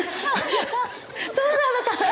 そうなのかな？